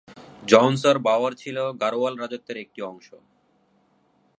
জওনসার-বাওয়ার ছিল গাড়োয়াল রাজত্বের একটি অংশ।